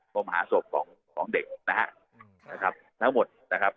มหาศพของเด็กนะครับทั้งหมดนะครับ